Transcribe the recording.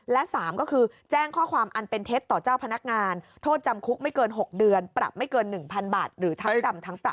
และ๓ก็คือแจ้งข้อความอันเป็นเท็จต่อเจ้าพนักงานโทษจำคุกไม่เกิน๖เดือนปรับไม่เกิน๑๐๐๐บาทหรือทั้งจำทั้งปรับ